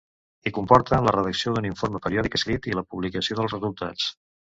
I comporta la redacció d'un informe periòdic escrit i la publicació dels resultats.